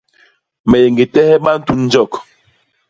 Me yé ñgi tehe bantunjok.